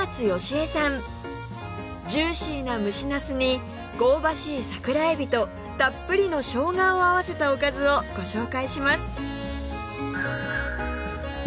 ジューシーな蒸しなすに香ばしい桜海老とたっぷりのしょうがを合わせたおかずをご紹介します